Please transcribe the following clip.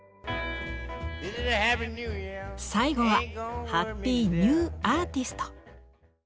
最後はハッピーニューアーティスト。